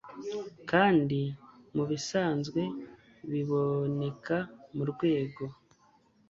kandi mubisanzwe biboneka murwego